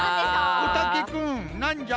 おたけくんなんじゃ？